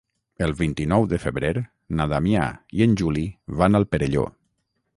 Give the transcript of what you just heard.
El vint-i-nou de febrer na Damià i en Juli van al Perelló.